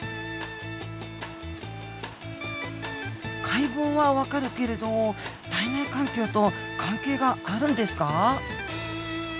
解剖はわかるけれど体内環境と関係があるんですか？